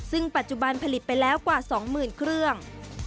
ซึ่งปัจจุบันผลิตไปแล้วกว่า๒๐๐๐เครื่อง